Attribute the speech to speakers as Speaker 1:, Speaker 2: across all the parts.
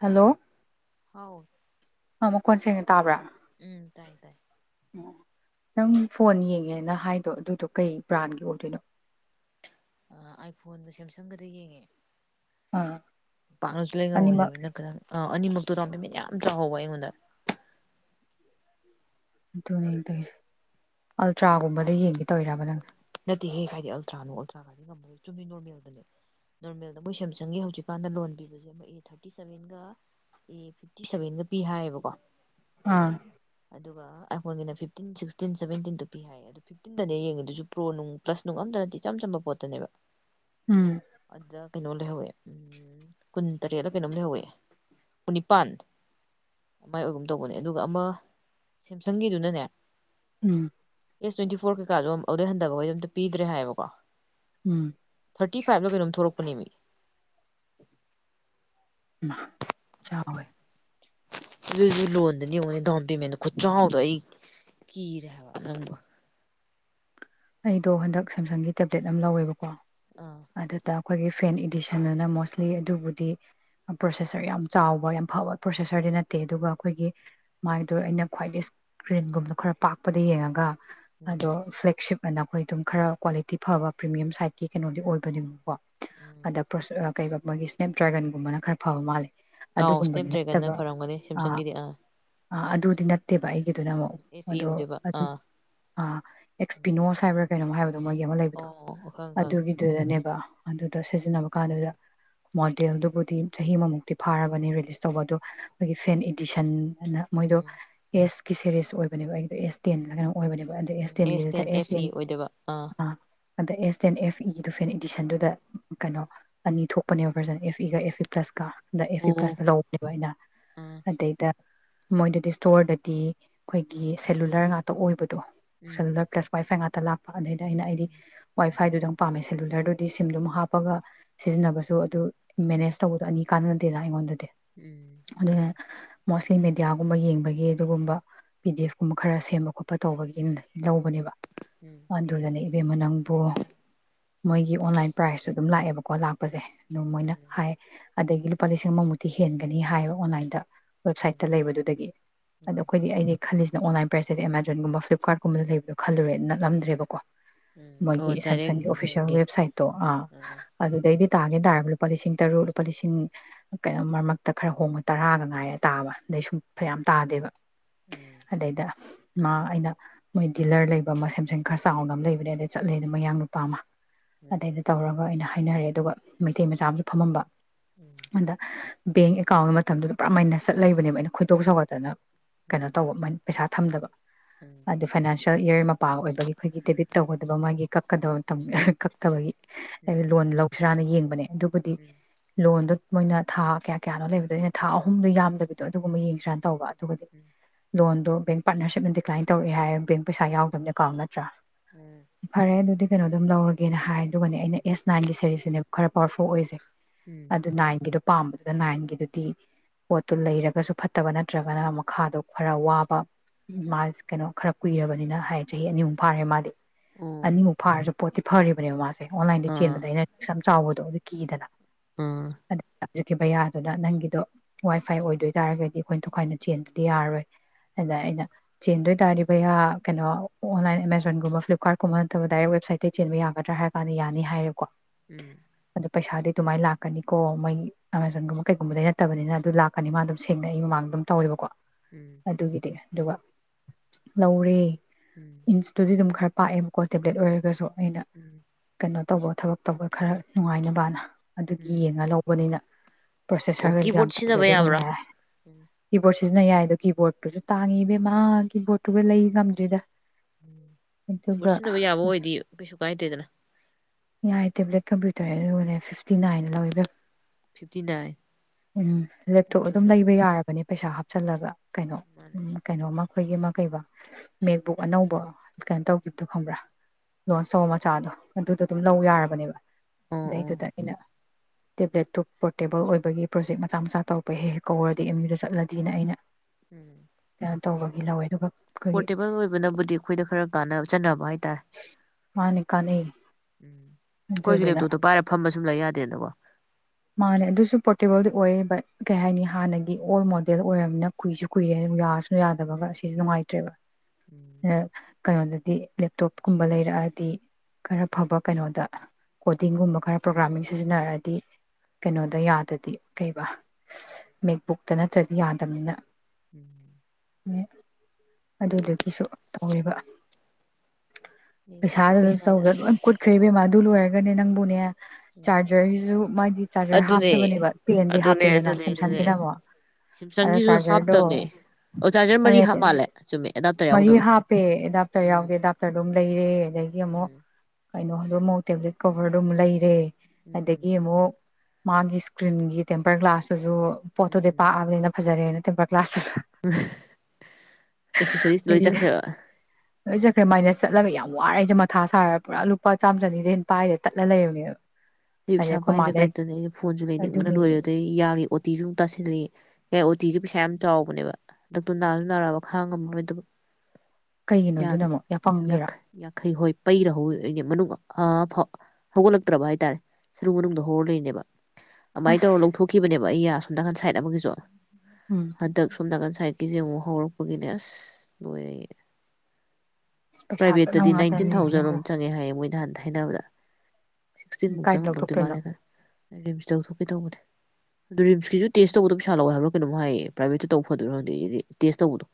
Speaker 1: Hello
Speaker 2: ꯍꯥꯎ
Speaker 1: ꯊꯝꯑꯣ ꯈꯥꯡꯁꯤꯁ‌ꯦ ꯇꯥꯕ꯭ꯔꯥ
Speaker 2: ꯎꯝ ꯇꯥꯏ ꯇꯥꯏ
Speaker 1: ꯅꯪ ꯐꯣꯟ ꯌꯦꯡꯉꯦꯅ ꯍꯥꯏꯗꯣ ꯑꯗꯨꯗꯣ ꯀꯩ ꯕ꯭ꯔꯥꯟꯒꯤ ꯑꯣꯏꯗꯣꯏꯅꯣ
Speaker 2: ꯑꯥꯏꯐꯣꯟꯒꯥ ꯁꯦꯝꯁꯪꯒꯗ ꯌꯦꯡꯉꯦ
Speaker 1: ꯑꯥ
Speaker 2: ꯄꯥꯛꯅꯁꯨ ꯂꯩ
Speaker 1: ꯑꯅꯤꯃꯛ
Speaker 2: ꯉꯝꯃꯣꯏꯗꯕꯅꯤꯅ ꯈꯤꯇꯪ [unintelligible] ꯑꯅꯤꯃꯛꯇꯣ ꯗꯥꯎꯟ ꯄ‌ꯦꯃ‌ꯦꯟ ꯌꯥꯝ ꯆꯥꯎꯍꯧꯕ ꯑꯩꯉꯣꯟꯗ
Speaker 1: ꯑꯗꯨꯅꯦ ꯇꯧꯁꯦ ꯑꯜꯇ꯭ꯔꯥꯒꯨꯝꯕꯗ ꯌꯦꯡꯒꯦ ꯇꯧꯔꯤꯔꯕ ꯅꯪꯅ
Speaker 2: ꯅꯠꯇꯦ ꯀꯥꯏꯗꯒꯤ ꯑꯜꯇ꯭ꯔꯥꯅꯣ ꯑꯜꯇ꯭ꯔꯥꯒꯗꯤ ꯉꯝꯕꯣꯏ ꯆꯨꯝꯃꯤ ꯅꯣꯔꯃꯦꯜꯗꯅꯦ ꯅꯣꯔꯃꯦꯜꯗ ꯃꯣꯏ ꯁꯦꯝꯁꯪꯒꯤ ꯍꯧꯖꯤꯛꯀꯥꯟꯗ ꯂꯣꯟ ꯄꯤꯕꯁꯦ ꯑꯃ ꯑꯦ ꯊꯥꯔꯇꯤ ꯁꯚꯦꯟꯒ ꯑꯦ ꯐꯤꯞꯇꯤ ꯁꯚꯦꯟꯒ ꯄꯤ ꯍꯥꯏꯌꯦꯕꯀꯣ
Speaker 1: ꯑꯥ
Speaker 2: ꯑꯗꯨꯒ ꯑꯏꯐꯣꯟꯅꯒꯤꯅꯥ ꯐꯤꯞꯇꯤꯟ ꯁꯤꯛꯁꯇꯤꯟ ꯁꯕꯦꯟꯇꯤꯟꯗꯣ ꯄꯤ ꯍꯥꯏ ꯑꯗꯨ ꯐꯤꯞꯇꯤꯟꯗꯅꯦ ꯌꯦꯡꯉꯗꯨꯁꯨ ꯄ꯭ꯔꯣ ꯅꯨꯡ ꯄ꯭ꯂꯁ ꯅꯨꯡ ꯑꯝꯇꯅꯗꯤ ꯏꯆꯝ ꯆꯝꯕ ꯄꯣꯠꯇꯅꯦꯕ
Speaker 1: ꯎꯝ
Speaker 2: ꯑꯗꯥ ꯀꯩꯅꯣ ꯂꯩꯍꯧꯋꯦ ꯀꯨꯟ ꯇꯔꯦꯠꯂ ꯀꯩꯅꯣꯝ ꯂꯩꯍꯧꯋꯦ ꯀꯨꯟꯅꯤꯄꯥꯟ ꯃꯥꯏ ꯑꯣꯏꯒꯨꯝ ꯇꯧꯕꯅꯦ ꯑꯗꯨꯒ ꯑꯃ ꯁꯦꯝꯁꯪꯒꯤꯗꯨꯅꯅꯦ
Speaker 1: ꯎꯝ
Speaker 2: ꯏꯁ ꯇ꯭ꯋꯦꯟꯇꯤ ꯐꯣꯔ ꯀꯩꯀꯥꯗꯣ ꯑꯗꯨꯗꯩ ꯍꯟꯊꯕꯒꯩꯗꯤ ꯑꯝꯇ ꯄꯤꯗ꯭ꯔꯦ ꯍꯥꯏꯕꯀꯣ
Speaker 1: ꯎꯝ
Speaker 2: ꯐꯥꯏꯚꯇꯤ ꯐꯥꯏꯚꯂꯥ ꯀꯩꯅꯣꯝ ꯊꯣꯛꯂꯛꯄꯅꯦꯃꯤ
Speaker 1: ꯆꯥꯎꯑꯦ
Speaker 2: ꯑꯗꯨ ꯂꯣꯟꯗꯅꯦ ꯌꯦꯡꯉꯨꯅꯦ ꯗꯥꯎꯟ ꯄꯦꯃꯦꯟꯠꯇꯥꯅꯦ ꯈꯨꯆꯥꯎꯗꯣ ꯑꯩ ꯀꯤꯔꯦ ꯍꯥꯏꯕꯥꯥ ꯅꯪꯕꯣ
Speaker 1: ꯑꯩꯗꯣ ꯍꯟꯗꯛ ꯁꯦꯝꯁꯪꯒꯤ ꯇꯦꯕ꯭ꯂꯦꯠ ꯑꯃ ꯂꯧꯋꯦꯕꯀꯣ
Speaker 2: ꯑꯥ
Speaker 1: ꯑꯠꯇ ꯑꯩꯈꯣꯏꯒꯤ ꯐꯦꯟ ꯏꯗꯤꯁꯟꯅ ꯃꯣꯁꯂꯤ ꯑꯗꯨꯕꯨꯗꯤ ꯄ꯭ꯔꯣꯁꯦꯁꯔ ꯌꯥꯝ ꯆꯥꯎꯕ ꯌꯥꯝ ꯐꯕ ꯄ꯭ꯔꯣꯁꯦꯁꯔꯗꯤ ꯅꯠꯇꯦ ꯑꯗꯨꯒ ꯑꯩꯈꯣꯏꯒꯤ ꯃꯥꯏꯗꯣ ꯑꯩꯅ ꯈ꯭ꯋꯥꯏꯗꯒꯤ ꯏꯁ꯭ꯀ꯭ꯔꯤꯟꯒꯨꯝꯗꯣ ꯈꯔ ꯄꯥꯛꯄꯗ ꯌꯦꯡꯉꯒ
Speaker 2: ꯎꯝ
Speaker 1: ꯑꯗꯣ ꯐ꯭ꯂꯦꯛꯁꯤꯞ ꯑꯗꯨꯅ ꯑꯩꯈꯣꯏ ꯑꯗꯨꯝ ꯈꯔ ꯀ꯭ꯋꯥꯂꯤꯇꯤ ꯐꯕ ꯄ꯭ꯔꯤꯃꯤꯌꯝ ꯁꯥꯏꯠꯀꯤ ꯀꯩꯅꯣꯗꯤ ꯑꯣꯏꯕꯅꯦꯕꯀꯣ
Speaker 2: ꯎꯝ
Speaker 1: ꯑꯗ ꯄ꯭ꯔꯣꯁ ꯀꯩꯕ ꯃꯣꯏꯒꯤ ꯁ꯭ꯅꯦꯞ ꯗ꯭ꯔꯦꯒꯟꯒꯨꯝꯕꯅ ꯈꯔ ꯐꯕ ꯃꯥꯜꯂꯦ
Speaker 2: ꯑꯥꯎ
Speaker 1: ꯑꯗꯨꯒꯨꯝꯕ
Speaker 2: ꯁ꯭ꯅꯦꯞ ꯗ꯭ꯔꯦꯒꯟꯅ
Speaker 1: ꯅꯠꯇꯕ
Speaker 2: ꯐꯔꯝꯒꯅꯤ
Speaker 1: ꯑꯥ
Speaker 2: ꯁꯦꯝꯁꯪꯒꯤꯗꯤ
Speaker 1: ꯑꯥ ꯑꯗꯨꯗꯤ ꯅꯠꯇꯦꯕ ꯑꯩ ꯑꯥꯥꯗꯨꯒꯤꯗꯨꯅꯃꯨꯛ
Speaker 2: ꯑꯦꯐ ꯏ
Speaker 1: ꯑꯗꯣ
Speaker 2: ꯑꯣꯏꯗꯣꯏꯕ ꯑꯥ
Speaker 1: ꯑꯥꯥ [inaudible] ꯀꯩꯅꯣꯝ ꯍꯥꯏꯕ ꯑꯗꯨ ꯃꯣꯏꯒꯤ ꯑꯃ ꯂꯩꯕꯗꯣ
Speaker 2: ꯑꯣ ꯑꯣ ꯈꯪꯉꯦ ꯈꯪꯉꯦ
Speaker 1: ꯑꯗꯨꯒꯤꯗꯨꯗꯅꯦꯕ ꯑꯗꯨꯗ ꯁꯤꯖꯤꯟꯅꯕ ꯀꯥꯟꯗꯨꯗ ꯃꯣꯗꯦꯜꯗꯨꯕꯨꯗꯤ ꯆꯍꯤ ꯑꯃꯃꯨꯛꯇꯤ ꯐꯥꯔꯕꯅꯤ ꯔꯤꯂꯤꯁ ꯇꯧꯕ ꯑꯗꯨꯗꯣ ꯑꯩꯈꯣꯏꯒꯤ ꯐꯦꯟ ꯏꯗꯤꯁꯟ ꯑꯗꯨ ꯃꯣꯏꯗꯣ
Speaker 2: ꯎꯝ
Speaker 1: ꯑꯦꯁ ꯁꯦꯔꯦꯁ ꯑꯣꯏꯕꯅꯦꯕ ꯑꯩꯗꯣ ꯑꯦꯁ ꯇꯦꯟꯒꯅ ꯑꯣꯏꯕꯅꯦꯕ ꯑꯗꯨꯗꯤ ꯑꯦꯁ
Speaker 2: ꯎꯝ ꯇꯦꯟ
Speaker 1: ꯇꯦꯟꯒꯤ
Speaker 2: ꯑꯦꯐ ꯏ ꯑꯣꯏꯗꯕ ꯑꯥ
Speaker 1: ꯑꯗꯥ ꯑꯦꯁ ꯇꯦꯟ ꯑꯦꯐ ꯏꯗꯨ ꯐꯦꯟ ꯏꯗꯤꯁꯟꯗꯨꯗ ꯀꯩꯅꯣ ꯑꯅꯤ ꯊꯣꯛꯄꯅꯦꯕ ꯚꯔꯖꯟ ꯑꯦꯐ ꯏꯒ ꯑꯦꯐ ꯏ ꯄ꯭ꯂꯁꯀ ꯑꯦꯐ ꯏꯤ
Speaker 2: ꯑꯣ
Speaker 1: ꯐꯁꯇ ꯂꯧꯕꯅꯦꯕ ꯑꯩꯅ
Speaker 2: ꯑꯥ
Speaker 1: ꯑꯗꯩꯗ ꯃꯣꯏꯗꯨꯗꯤ ꯁ꯭ꯇꯣꯔꯗꯗꯤ ꯑꯩꯈꯣꯏꯒꯤ ꯁꯦꯂꯨꯂꯔ ꯉꯥꯛꯇ
Speaker 2: ꯎꯝ ꯎꯝ
Speaker 1: ꯑꯣꯏꯕꯗꯁ [unintelligible] [unintelligible] ꯂꯥꯛꯄ ꯑꯗꯩꯗ ꯑꯩꯅ ꯑꯩꯗꯤ ꯋꯥꯏꯐ ꯁ꯭ꯏꯗꯨꯗꯪ ꯄꯥꯝꯃꯦ ꯁꯦꯂꯨꯂꯔꯗꯨꯗꯤ ꯁꯤꯝꯗꯨ ꯑꯃꯨꯛ ꯍꯥꯞꯄꯒ ꯁꯤꯖꯤꯟꯅꯕꯁꯨ ꯑꯗꯨ ꯃꯦꯅꯦꯖ ꯇꯧꯕꯗꯣ ꯑꯅꯤ ꯀꯥꯟꯅꯗꯦꯗ ꯑꯩꯉꯣꯟꯗꯗꯤ
Speaker 2: ꯎꯝ
Speaker 1: ꯑꯗꯨꯅ ꯃꯣꯁꯂꯤ ꯃꯦꯗꯤꯌꯥꯒꯨꯝꯕ ꯌꯦꯡꯕꯒꯤ ꯑꯗꯨꯒꯨꯝꯕ ꯄꯤ ꯗꯤ ꯑꯦꯐ ꯀꯨꯝꯕ ꯈꯔ ꯁꯦꯝꯕ ꯈꯣꯠꯄ ꯇꯧꯕꯒꯤꯅ ꯂꯧꯕꯅꯦꯕ
Speaker 2: ꯎꯝ
Speaker 1: ꯑꯗꯨꯗꯅꯦ ꯏꯕꯦꯝꯃꯅꯪꯕꯨ ꯃꯣꯏꯒꯤ ꯑꯣꯟꯂꯥꯏꯟ ꯄ꯭ꯔꯥꯏꯁꯁꯨꯨ ꯑꯗꯨꯝ ꯂꯥꯛꯑꯦꯕꯀꯣ ꯂꯥꯛꯄꯁꯦ ꯃ‌ꯣꯏꯅꯥ ꯍꯥꯏ ꯑꯗꯒꯤ ꯂꯨꯄꯥ ꯂꯤꯁꯤꯡ ꯑꯃꯃꯨꯛꯇꯤ ꯍꯦꯟꯒꯅꯤ ꯍꯥꯏꯕ ꯑꯣꯟꯂꯥꯏꯟꯗ
Speaker 2: ꯎꯝ ꯎꯝ
Speaker 1: ꯋꯦꯕꯁꯥꯏꯠꯇ ꯂꯩꯕꯗꯨꯗꯒꯤ ꯑꯗꯣ
Speaker 2: ꯎꯝ
Speaker 1: ꯑꯩꯈꯣꯏꯗꯤ ꯑꯩꯅ ꯈꯜꯂꯤꯁꯤꯅ ꯑꯣꯟꯂꯟ ꯄ꯭ꯔꯥꯏꯁꯗ ꯑꯦꯥꯖꯣꯟꯨꯝꯕ ꯐ꯭ꯞꯀꯥꯔꯠꯨꯝꯕ ꯂꯩꯕꯗꯣ ꯈꯜꯂꯨꯔꯦ ꯅꯠꯂꯝꯗ꯭ꯔꯦꯕꯀꯣ
Speaker 2: ꯎꯝ ꯑꯣ
Speaker 1: ꯃꯣꯏꯒꯤ
Speaker 2: ꯗꯥꯏꯔꯦꯛ
Speaker 1: ꯁꯥꯝꯁꯪꯒꯤ ꯑꯣꯐꯤꯁꯦꯜ
Speaker 2: ꯕ꯭ꯔꯦꯟꯒꯤ
Speaker 1: ꯋꯦꯕꯁꯥꯏꯠꯇꯣ ꯑꯥ ꯑꯗꯨꯗꯩꯗꯤ ꯇꯥꯒꯦ ꯇꯥ ꯂꯨꯄꯥ ꯂꯤꯁꯤꯡ ꯇꯔꯨꯛ ꯂꯨꯄꯥ ꯂꯤꯁꯤꯡ ꯀꯩꯅꯣ ꯃꯔ ꯃꯔꯛꯇ ꯈꯔ ꯍꯣꯡꯕ ꯇꯔꯥꯒ ꯉꯥꯏꯔ ꯇꯥꯕ ꯑꯗꯩ ꯁꯨꯝ
Speaker 2: ꯎꯝ
Speaker 1: ꯐꯌꯥꯝ ꯇꯥꯗꯦꯕ
Speaker 2: ꯎꯝ
Speaker 1: ꯑꯗꯩꯗ ꯃꯥ ꯑꯩꯅ ꯃꯣꯏ ꯗꯤꯂꯔ ꯂꯩꯕ ꯑꯃ ꯁꯦꯝꯁꯦꯟ ꯈꯔ ꯆꯥꯎꯅ ꯑꯃ ꯂꯩꯕꯅꯦ ꯑꯗ ꯆꯠꯂꯦꯅ ꯃꯌꯥꯡ ꯅꯨꯄꯥ ꯑꯃ
Speaker 2: ꯎꯝ
Speaker 1: ꯑꯗꯩꯗ ꯇꯧꯔꯒ ꯑꯣꯏꯅ ꯍꯥꯏꯅꯔꯦ ꯑꯗꯨꯒ ꯃꯩꯇꯩ ꯃꯆꯥ ꯑꯃꯁꯨ ꯐꯝꯃꯝꯕ
Speaker 2: ꯎꯝ
Speaker 1: ꯑꯗꯥ ꯕꯦꯡ ꯑꯦꯀꯥꯎꯟꯒꯤ ꯃꯇꯝꯗꯨꯗ ꯄꯨꯔꯝꯃꯥꯏꯅ ꯆꯠꯂ ꯂꯩꯕꯅꯦꯕ ꯑꯩꯅ ꯈꯣꯏꯗꯣꯛ ꯁꯥꯎꯒꯠꯇꯅ ꯀꯩꯅꯣ
Speaker 2: ꯑꯣ
Speaker 1: ꯇꯧꯕ ꯃ‌ꯣꯏꯟ ꯄꯩꯁꯥ ꯊꯝꯗꯕ ꯐꯩꯅꯥꯁ ꯑꯦꯃ ꯄꯥ ꯑꯣꯏꯕꯒꯤ ꯑꯩꯈꯣꯏꯒꯤ ꯗꯦꯕꯤꯠ ꯇꯧꯒꯗꯕ ꯃꯥꯒꯤ ꯀꯛꯀꯗꯕ ꯃꯇꯝ ꯀꯛꯇꯕꯒꯤ ꯑꯩ ꯂꯣꯟ ꯂꯧꯁ꯭ꯔꯥꯅꯤ ꯌꯦꯡꯕꯅꯦ ꯑꯗꯨꯕꯨꯗꯤ ꯂꯣꯟꯗ‌ꯣ ꯃꯣꯏꯅ ꯊꯥ ꯀꯌꯥ ꯀꯌꯥꯅꯣ ꯂꯩꯕꯗꯣ ꯑꯩꯅ ꯊꯥ ꯑꯍꯨꯝꯗꯣ ꯌꯥꯝꯗꯕꯤꯗꯣ ꯑꯗꯨꯒꯨꯝꯕ ꯌꯦꯡꯁꯤꯥꯅ ꯇꯧꯕ ꯑꯗꯨꯒꯗꯤ ꯂꯣꯟꯗꯣ ꯕꯦꯡ ꯄꯥꯠꯅꯔꯁꯤꯞꯅꯗꯤ ꯗꯤꯀꯥꯜꯟ ꯇꯧꯛꯑꯦꯌꯦ ꯕꯦꯡ ꯄꯩꯁ ꯌꯥꯗꯕꯅ ꯀꯥꯃꯦ [inaudible] ꯐꯔꯦ ꯑꯗꯨꯗꯤ ꯀꯩꯅꯣ ꯑꯗꯨꯝ ꯂꯧꯔꯒꯦꯅ ꯍꯥꯏ ꯑꯗꯨꯒꯅꯦ ꯑꯩꯅ ꯑꯦꯁ ꯅꯥꯏꯟꯒꯤ ꯁꯦꯔꯤꯁ ꯁꯤꯅꯦꯕ ꯈꯔ ꯄꯋꯥꯔꯐꯨꯜ ꯑꯣꯏꯖꯦ ꯑꯗꯨ ꯅꯥꯢꯟꯒꯤꯗꯨ ꯄꯥꯝꯕꯗꯨꯗ ꯅꯥꯏꯟꯒꯤꯗꯨꯗꯤ ꯄꯣꯠꯇꯨ ꯂꯩꯔꯒꯁꯨ ꯐꯠꯇꯕ ꯅꯠꯇ꯭ꯔꯒꯅ ꯃꯈꯥꯗꯣ ꯈꯔ ꯋꯥꯕ ꯃꯥ ꯀꯩꯅꯣ ꯈꯔ ꯀꯨꯏꯔꯕꯅꯤꯅ ꯍꯥꯏ ꯆꯍꯤ ꯑꯅꯤ ꯑꯍꯨꯝ ꯐꯥꯔꯦ ꯃꯥꯗꯤ ꯑꯅꯤꯃꯨꯛ ꯐꯥꯔꯁꯨ ꯄꯣꯠꯇꯤ ꯐꯔꯤꯕꯅꯦꯕ ꯃꯥꯁ ꯑꯣꯟꯂꯥꯏꯟꯗꯤ
Speaker 2: ꯑꯥ
Speaker 1: [unintelligible] ꯆꯥꯎꯕꯗꯣ ꯑꯗꯨ ꯀꯤꯗꯅ꯫
Speaker 2: ꯑꯥ
Speaker 1: [unintelligible] ꯍꯧꯖꯤꯛꯀꯤ ꯕꯌꯥꯗꯨꯗ ꯅꯪꯒꯤꯗꯣ ꯋꯥꯏ ꯐꯥꯏ ꯑꯣꯏꯗꯣꯏ ꯇꯥꯔꯒꯗꯤ ꯑꯩꯈꯣꯏꯅ ꯇꯣꯈꯥꯏꯅ ꯆꯦꯟꯗꯗꯤ ꯌꯥꯔꯔꯣꯏ ꯑꯗ ꯑꯩꯅ ꯆꯦꯟꯗꯣꯏ ꯇꯥꯔꯗꯤ ꯕꯌꯥ ꯀꯩꯅꯣ ꯑꯣꯟꯂꯥꯏꯟ ꯑꯦꯃꯖꯣꯟꯒꯨꯝꯕ ꯐ꯭ꯂꯤꯞꯀꯥꯔꯠꯀꯨꯝꯕ ꯅꯠꯇꯕ ꯗꯥꯢꯔꯦꯛ ꯋꯦꯕꯁꯥꯏꯠꯇꯒꯤ ꯆꯦꯟꯕ ꯌꯥꯒꯗ꯭ꯔ ꯍꯥꯏꯔ ꯀꯟꯗ ꯌꯥꯅꯤ ꯍꯥꯏꯔꯦꯀꯣ? ꯄꯩꯁꯥꯗꯤ ꯑꯗꯨꯃꯥꯏꯅ ꯂꯥꯛꯀꯅꯤꯀꯣ ꯃꯣꯢ ꯑꯦꯃꯖꯣꯟꯒꯨꯝꯕ ꯀꯩꯒꯨꯝꯕꯗꯩ ꯅꯠꯇꯕꯅꯤꯅ ꯑꯗꯨ ꯂꯥꯛꯀꯅꯤ ꯃꯥ ꯑꯗꯨꯝ ꯁꯦꯡꯅ ꯑꯩ ꯃꯃꯥꯡꯗ ꯑꯗꯨꯝ ꯇꯧꯋꯦꯕꯀꯣ꯫ ꯑꯗꯨꯒꯤꯗꯤ ꯑꯗꯨꯒ ꯂꯧꯔꯦ ꯏꯟꯁꯇꯨꯗꯤ ꯑꯗꯨꯝ ꯈꯔ ꯄꯥꯛꯑꯦꯕꯀꯣ ꯇꯦꯕ꯭ꯂꯦꯠ ꯑꯣꯏꯔꯒꯁꯨ- ꯑꯩꯅ ꯀꯩꯅꯣ ꯇꯧꯕ ꯊꯕꯛ ꯇꯧꯕ ꯈꯔ ꯅꯨꯡꯉꯥꯏꯅꯕꯅ ꯑꯗꯨꯒꯤ ꯌꯦꯡꯉ ꯂꯧꯕꯅꯤꯅ
Speaker 2: ꯑꯣ
Speaker 1: ꯄ꯭ꯔꯣꯁꯦꯁꯔꯒꯁꯨ ꯌꯥꯝ
Speaker 2: ꯀꯤꯕꯣꯔꯗ
Speaker 1: ꯇꯛꯂꯦ
Speaker 2: ꯁꯤꯖꯤꯟꯅꯕ ꯌꯥꯕ꯭ꯔꯥ
Speaker 1: ꯑꯗꯨꯒꯅꯦꯔꯦ
Speaker 2: ꯎꯝ
Speaker 1: ꯀꯤꯕꯣꯔꯗꯁꯦ ꯁꯤꯖꯤꯟꯅ ꯌꯥꯏ ꯑꯗꯣ ꯀꯤꯕꯣꯔꯗꯠꯇꯨꯁꯨ ꯇꯥꯡꯉꯤꯕ ꯏꯕꯦꯃꯥ ꯀꯤꯕꯣꯔꯗꯠꯇꯨꯒ ꯂꯩ ꯉꯝꯗ꯭ꯔꯤꯗ ꯑꯗꯨꯒ
Speaker 2: ꯁꯤꯟꯅꯕ ꯌꯥꯕ ꯑꯣꯏꯗꯤ ꯀꯩꯁꯨ ꯀꯥꯏꯗꯦꯗꯅ
Speaker 1: ꯌꯥꯏ ꯇꯦꯕ꯭ꯂꯦꯠ ꯀꯝꯄ꯭ꯌꯨꯇꯔꯅꯦ ꯐꯤꯐꯇꯤ ꯅꯥꯏꯟ ꯂꯧꯋ ꯏꯕꯦꯃ
Speaker 2: ꯐꯤꯐꯇꯤ ꯅꯥꯏꯟ
Speaker 1: ꯎꯝ ꯂꯦꯞꯇꯣꯞ ꯑꯗꯨꯝ
Speaker 2: ꯑꯗꯨꯅꯦ
Speaker 1: ꯂꯩꯕ ꯌꯥꯔꯕꯅꯦ ꯄꯩꯁꯥ ꯍꯥꯞ ꯆꯜꯂꯒ ꯀꯩꯅꯣ
Speaker 2: ꯃꯥꯅꯦ
Speaker 1: ꯎꯝ ꯀꯩꯅꯣꯃꯥ ꯑꯩꯈꯣꯏꯒꯤ ꯃꯥ ꯀꯩꯕꯥ ꯃꯦꯛꯕꯨꯛ ꯑꯅꯧꯕ ꯀꯩꯅꯣ ꯇꯧꯈꯤꯕꯗꯣ ꯈꯪꯕ꯭ꯔꯥ ꯂꯣꯟꯁ ꯇꯧꯕ ꯃꯆꯥꯗꯣ ꯑꯗꯨꯗꯨ ꯑꯗꯨꯝ ꯂꯧ ꯌꯥꯔꯕꯅꯦꯕ
Speaker 2: ꯑꯣ ꯑꯣ
Speaker 1: ꯑꯗꯩꯗꯨꯗꯥ ꯑꯩꯅꯥ ꯇꯦꯕ꯭ꯂꯦꯠꯇꯨ ꯄꯣꯔꯇꯦꯕꯜ ꯑꯣꯏꯕꯒꯤ ꯄ꯭ꯔꯣꯖꯦꯛ ꯃꯆꯥ ꯃꯆꯥ ꯇꯧꯔꯛꯄ ꯍꯦꯍꯦ ꯀꯧꯔꯗꯤ ꯑꯦꯝ ꯌꯨꯗ ꯆꯠꯂꯗꯤꯅ ꯑꯩꯅ
Speaker 2: ꯎꯝ
Speaker 1: ꯀꯩꯅꯣ ꯇꯧꯕꯒꯤ ꯂꯧꯋꯦ ꯑꯗꯨꯒ ꯑꯩꯈꯣꯏꯒꯤ
Speaker 2: ꯄꯣꯔꯇꯦꯕꯜ ꯑꯣꯏꯕꯅꯕꯨꯗꯤ ꯑꯩꯈꯣꯏꯗ ꯈꯔ ꯀꯥꯅꯥ ꯆꯟꯅꯕ ꯍꯥꯏꯇꯥꯔꯦ
Speaker 1: ꯃꯥꯅꯦ ꯀꯥꯟꯅꯩ
Speaker 2: ꯎꯝ ꯑꯩꯈꯣꯏꯁꯨ
Speaker 1: ꯑꯗꯨꯗꯨꯅ
Speaker 2: ꯂꯦꯞꯇꯣꯞꯇꯣ ꯄꯥꯏꯔ ꯐꯝ ꯁꯨꯝ ꯂꯩ ꯌꯥꯗꯦꯅꯀꯣ
Speaker 1: ꯃꯥꯅꯦ ꯑꯗꯨꯁꯨ ꯄꯣꯔꯇꯦꯕꯜꯗꯤ ꯑꯣꯏꯌꯦ ꯕꯠ ꯀꯩ ꯍꯥꯏꯅꯤ ꯍꯥꯟꯅꯒꯤ ꯑꯣꯜ ꯃꯣꯗꯦꯜ ꯑꯣꯏꯔꯝꯅꯤꯅ ꯀꯨꯏꯁꯨ ꯀꯨꯏꯔꯦ ꯌꯥꯁꯨ ꯌꯥꯗꯕꯒ ꯑꯁꯤꯁꯦ ꯅꯨꯡꯉꯥꯏꯇ꯭ꯔꯦꯕ [unintelligible] ꯀꯩꯅꯣꯗꯗꯤ ꯂꯦꯞꯇꯣꯞꯀꯨꯝꯕ ꯂꯩꯔꯛꯑꯗꯤ ꯈꯔ ꯐꯕ ꯀꯩꯅꯣꯗ ꯀꯣꯗꯤꯡꯒꯨꯝꯕ ꯈꯔ ꯄ꯭ꯔꯣꯒ꯭ꯔꯥꯃꯤꯡ ꯁꯤꯖꯤꯟꯅꯔꯗꯤ ꯀꯩꯅꯣꯗ ꯌꯥꯗꯗꯤ ꯀꯩꯕ ꯃꯦꯛꯕꯨꯛꯇ ꯅꯠꯇ꯭ꯔꯗꯤ ꯌꯥꯗꯝꯅꯤꯅ ꯑꯗꯨꯗꯨꯒꯤꯁꯨ ꯇꯧꯔꯤꯕ ꯄꯩꯁꯥꯗꯨꯗꯁꯨ
Speaker 2: ꯄꯩꯁꯥꯁꯦ
Speaker 1: ꯇꯧꯗ ꯂꯣꯏ ꯀꯨꯠꯈ꯭ꯔꯦ
Speaker 2: ꯑꯁ
Speaker 1: ꯏꯕꯦꯝꯃ ꯑꯗꯨ ꯂꯣꯏꯔ ꯒꯅꯦ ꯅꯪꯕꯨꯅꯦ ꯆꯥꯔꯖꯔꯁꯨ ꯃꯥꯗꯤ ꯆꯥꯔꯖꯔ
Speaker 2: ꯑꯗꯨꯅꯦ
Speaker 1: ꯍꯥꯞꯇꯕꯅꯦꯕ ꯄꯦꯟꯗꯤ
Speaker 2: ꯑꯗꯨꯅꯦ
Speaker 1: ꯍꯥꯞꯄꯦꯗꯅ
Speaker 2: ꯑꯗꯨꯅꯦ ꯑꯗꯨꯅꯦ
Speaker 1: ꯁꯦꯝꯁꯪꯒꯤꯅ ꯑꯃꯨꯛ ꯑꯗ
Speaker 2: ꯁꯦꯝꯁꯪꯒꯤꯁꯨ
Speaker 1: ꯆꯥꯔꯖꯔꯗꯣ
Speaker 2: ꯍꯥꯞꯇꯕꯅꯦ ꯑꯣ ꯆꯥꯔꯖꯔ ꯃꯔꯤ ꯍꯥꯞ ꯃꯥꯜꯂꯦ ꯆꯨꯝꯃꯦ ꯑꯦꯗꯥꯞꯇꯔ
Speaker 1: ꯃꯔꯤ
Speaker 2: ꯌꯥꯎꯗꯕ
Speaker 1: ꯍꯥꯞꯄꯦ ꯑꯦꯗꯥꯞꯇꯔ ꯌꯥꯎꯗꯦ
Speaker 2: ꯎꯝ
Speaker 1: ꯑꯦꯗꯥꯞꯇꯔꯗꯨꯝ ꯂꯩꯔꯦ ꯑꯗꯒꯤ ꯑꯃꯨꯛ
Speaker 2: ꯎꯝ
Speaker 1: ꯀꯩꯅꯣꯗꯣ ꯑꯃꯨꯛ ꯇꯦꯕ꯭ꯂꯦꯠ ꯀꯕꯔꯗꯣ ꯑꯃꯨꯛ ꯂꯩꯔꯦ ꯑꯗꯒꯤ
Speaker 2: ꯎꯝ
Speaker 1: ꯑꯃꯨꯛ ꯃꯥꯒꯤ ꯏꯁꯀ꯭ꯔꯤꯟꯒꯤ ꯇꯦꯝꯄꯔ ꯒ꯭ꯂꯥꯁꯇꯨꯁꯨ ꯄꯣꯠꯇꯩꯗꯤ
Speaker 2: ꯎꯝ
Speaker 1: ꯄꯥꯛꯑꯕꯅꯤꯅ ꯐꯖꯔꯦꯅ ꯇꯦꯝꯄꯔ ꯒ꯭ꯂꯥꯁꯇꯨꯁꯨ
Speaker 2: ꯑꯦꯁꯦꯁꯔꯤꯁ ꯂꯣꯏ
Speaker 1: ꯑꯩ
Speaker 2: ꯆꯠꯈ꯭ꯔꯦꯕ
Speaker 1: ꯂꯣꯏ ꯆꯠꯈ꯭ꯔꯦ ꯃꯥꯏꯅꯁ ꯆꯠꯂꯒ ꯌꯥꯝ ꯋꯥꯔꯦ ꯑꯩꯁꯦ ꯃꯊꯥ ꯁꯥꯔꯒ ꯄꯨꯔꯥ ꯂꯨꯄꯥ ꯆꯥꯝ ꯆꯅꯤꯗ ꯍꯦꯟ ꯄꯥꯏꯗꯦ ꯇꯠꯂ ꯂꯩꯕꯅꯦꯕ ꯑꯗꯩ ꯑꯩꯈꯣꯏ ꯃꯥꯗ
Speaker 2: [unintelligible] ꯐꯣꯟꯁꯨ ꯂꯩꯅꯤꯡꯕꯅ
Speaker 1: ꯑꯗꯨꯅꯤ
Speaker 2: ꯂꯣꯏꯔꯦ ꯑꯗꯩ ꯌꯥꯒꯤ ꯑꯣꯇꯤꯁꯨꯨ ꯑꯃꯨꯛ ꯇꯥꯁꯤꯜꯂꯤ [unintelligible] ꯄꯩꯁꯥ ꯌꯥꯝ ꯆꯥꯎꯕꯅꯦꯕ ꯍꯟꯗꯛꯇꯨ ꯅꯥꯁꯨ ꯅꯥꯔꯛꯑꯕ ꯈꯥꯡ ꯉꯝꯃꯔꯣꯏꯗꯕ꯫
Speaker 1: ꯀꯩꯒꯤꯅꯣ ꯑꯗꯨꯅ
Speaker 2: ꯌꯥꯗꯣ
Speaker 1: ꯑꯃꯨꯛ ꯌꯥꯄꯪꯒꯤꯔ
Speaker 2: ꯌꯥꯡꯈꯩ ꯍꯣꯏ ꯄꯩꯔ ꯍꯧ ꯑꯩꯁꯦ ꯃꯅꯨꯡꯗ ꯑ ꯍꯧꯒꯠꯂꯛꯇ꯭ꯔꯕ ꯍꯥꯏꯇꯥꯔꯦ꯫ ꯁꯔꯨ ꯃꯅꯨꯡꯗ ꯍꯧꯔ ꯂꯩꯔꯤꯅꯦꯕ꯫ ꯑꯗꯨꯃꯥꯏ
Speaker 1: ꯑꯁ
Speaker 2: ꯇꯧꯔ ꯂꯧꯊꯣꯛꯈꯤꯕꯅꯦꯕ ꯑꯩꯒꯥ ꯌꯥꯁꯨ꯫ ꯅꯥꯀꯟ ꯁꯥꯏꯠ ꯑꯃꯒꯤꯁꯨ꯫
Speaker 1: ꯎꯝ
Speaker 2: ꯍꯟꯗꯛ ꯁꯣꯝꯅꯥꯀꯟ ꯁꯥꯏꯠ ꯁꯥꯏꯠꯀꯤꯖꯤ ꯑꯃꯨꯛ ꯍꯧꯎꯔꯛ ꯄꯒꯤꯅꯦ ꯑꯁ ꯂꯣꯏꯔꯦ
Speaker 1: ꯄꯩꯁꯥ ꯆꯠꯅꯕ
Speaker 2: ꯄ꯭ꯔꯥꯏꯚꯦꯠꯇꯗꯤ ꯅꯥꯏꯟꯇꯤꯟ
Speaker 1: ꯉꯥꯛꯇꯅꯦꯕꯨ
Speaker 2: ꯊꯥꯎꯖꯟꯔꯣꯝ ꯆꯪꯉꯦ ꯍꯥꯏꯌꯦ ꯃꯣꯏ ꯅꯍꯥꯟ ꯊꯩꯅꯕꯗ ꯁꯤꯛꯁꯇꯤꯟꯃꯨꯛ
Speaker 1: ꯀꯥꯏꯗ
Speaker 2: ꯆꯪꯉꯝꯗꯧꯗꯤ
Speaker 1: ꯂꯧꯊꯣꯛꯇꯣꯏꯅꯣ
Speaker 2: ꯃꯥꯜꯂꯦꯗ꯫ ꯔꯤꯝꯁꯇ ꯂꯧꯊꯣꯛꯀꯦ ꯇꯧꯕꯅꯦ ꯑꯗꯨ ꯔꯤꯝꯁꯀꯤꯁꯨ ꯇꯦꯁ ꯇꯧꯕꯗꯣ ꯄꯩꯁꯥ ꯂꯧꯋꯦꯕ ꯍꯥꯏꯕ꯭ꯔꯥ ꯀꯩꯅꯣꯝ ꯍꯥꯏꯌꯦ ꯄ꯭ꯔꯥꯏꯚꯦꯠꯇ ꯇꯧ ꯐꯗꯣꯏꯔꯣ ꯈꯪꯗꯦ ꯇꯦꯁ ꯇꯧꯕꯗꯣ꯫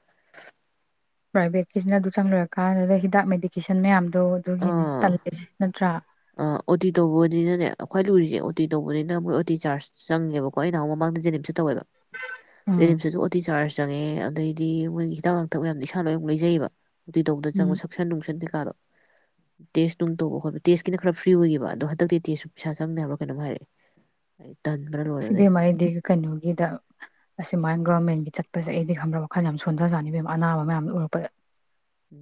Speaker 1: ꯆꯪꯂꯣꯏꯔ ꯀꯥꯟꯗꯨꯗ ꯍꯤꯗꯥꯛ ꯃꯦꯗꯤꯀꯦꯁꯟ ꯃꯌꯥꯝ ꯑꯗꯣ ꯑꯗꯨꯒꯤꯅꯤ ꯇꯜꯂꯤꯁꯦ ꯅꯠꯇ꯭ꯔꯥ
Speaker 2: ꯑ ꯑꯣ ꯇꯤ ꯇꯧꯕꯅꯤꯅꯅꯦ ꯈ꯭ꯋꯥꯏ ꯂꯨꯔꯤꯁꯦ ꯑꯣ ꯇꯤ ꯇꯧꯕꯅꯤꯅ ꯃꯣꯏ ꯑꯣꯇꯤ ꯆꯥꯔꯖ ꯆꯪꯉꯦꯕꯀꯣ ꯑꯩ ꯅꯍꯥꯟꯃꯨꯛ ꯃꯃꯥꯡꯗ ꯖꯦꯅꯤꯝꯁ ꯇꯧꯋꯦꯕ
Speaker 1: ꯎꯝ
Speaker 2: ꯖꯦꯅꯤꯝꯁꯤꯇꯁꯨ ꯑꯣꯇꯤ ꯆꯥꯔꯖ ꯆꯪꯉꯦ ꯑꯗꯩꯗꯤ ꯃꯣꯏꯒꯤ ꯍꯤꯗꯥꯛ ꯂꯥꯡꯊꯛ ꯃꯌꯥꯝꯗꯤ ꯏꯁꯥ ꯂꯣꯏꯅ ꯑꯃꯨꯛ ꯂꯩꯖꯩꯑꯕ ꯗꯣꯛꯇꯔ
Speaker 1: ꯎꯝ
Speaker 2: ꯆꯪꯕ ꯁꯛꯁꯟ ꯅꯨꯡꯁꯟ ꯀꯩꯀꯥꯗꯣ ꯇꯦꯁ ꯅꯨꯡ ꯇꯧꯕ ꯈꯣꯠ ꯇꯦꯁꯀꯤꯅ ꯈꯔ ꯐ꯭ꯔꯤ ꯑꯣꯏꯒꯤꯕ ꯑꯗꯣ ꯍꯟꯗꯛꯇꯤ ꯇꯦꯁꯁꯨ ꯄꯩꯁꯥ ꯆꯪꯅꯤꯑꯕ꯭ꯔꯥ ꯀꯩꯅꯣꯝ ꯍꯥꯏꯔꯛꯏ
Speaker 1: ꯏꯕꯦꯟꯃꯥ ꯑꯩꯗꯤ ꯀꯩꯅꯣꯒꯤꯗ ꯑꯁꯤꯃꯥꯟ ꯒꯣꯃꯦꯟꯒꯤ ꯆꯠꯄꯁꯦ ꯑꯩꯗꯤ ꯈꯪꯕ꯭ꯔ ꯋꯥꯈꯜ ꯌꯥꯝ ꯁꯣꯟꯊꯖꯥꯅꯤ ꯏꯕꯦꯝꯃ ꯑꯅꯥꯕ ꯃꯌꯥꯝꯗꯨ ꯎꯔꯛꯄꯗ